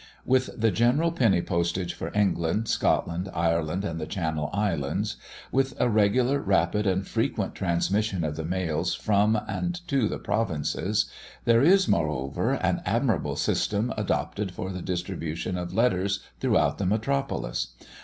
With the general penny postage for England, Scotland, Ireland, and the Channel Islands with a regular, rapid, and frequent transmission of the mails from and to the provinces, there is, moreover, an admirable system adopted for the distribution of letters throughout the metropolis.